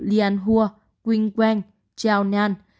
lianhua quyên quang chiao nhan